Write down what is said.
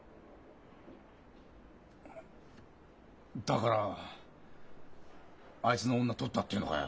あだからあいつの女とったって言うのかよ？